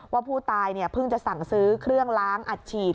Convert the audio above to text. ว่าผู้ตายเพิ่งจะสั่งซื้อเครื่องล้างอัดฉีด